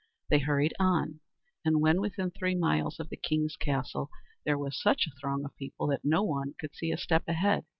They hurried on; and when within three miles of the king's castle there was such a throng of people that no one could see a step ahead.